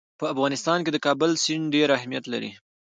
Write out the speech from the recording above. په افغانستان کې د کابل سیند ډېر اهمیت لري.